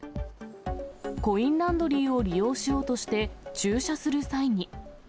コインランドリーを利用しようとして、駐車する際に。